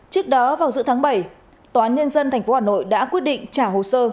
trước đó vào giữa tháng bảy tòa án nhân dân tp hà nội đã quyết định trả hồ sơ